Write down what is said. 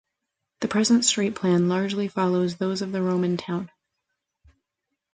The present street plan largely follows those of the Roman town.